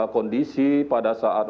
kondisi pada saat